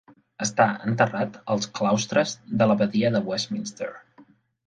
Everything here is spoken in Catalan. Està enterrat als claustres de l'Abadia de Westminster.